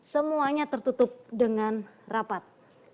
semuanya tertutup dengan rapat